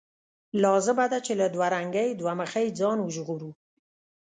لازمه ده چې له دوه رنګۍ، دوه مخۍ ځان وژغورو.